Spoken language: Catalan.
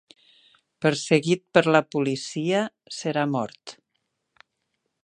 Perseguit per la policia, serà mort.